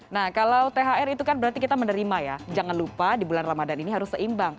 nah kalau thr itu kan berarti kita menerima ya jangan lupa di bulan ramadan ini harus seimbang